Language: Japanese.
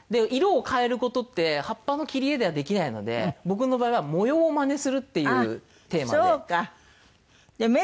色を変える事って葉っぱの切り絵ではできないので僕の場合は模様をまねするっていうテーマで。